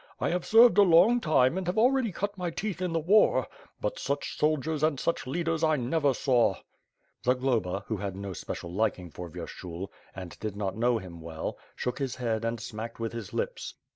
I have served a long time and have already cut my teeth in the war, but such soldiers and such leaders I never saw." Zaglaba, who had no special liking for Vyershul, and did not know him well, shook his head and smacked with his lips.